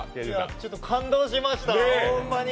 ちょっと感動しました、ほんまに。